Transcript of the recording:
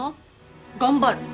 頑張る。